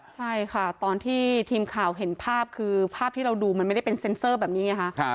ใช่ค่ะตอนที่ทีมข่าวเห็นภาพคือภาพที่เราดูมันไม่ได้เป็นเซ็นเซอร์แบบนี้ไงคะ